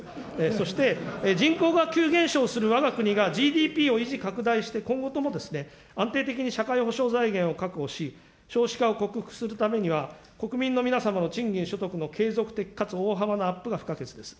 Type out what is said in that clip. そして人口が急減少するわが国がＧＤＰを維持、拡大して今後とも安定的に社会保障財源を確保し、少子化を克服するためには、国民の皆様の賃金、所得の継続的かつ大幅なアップが不可欠です。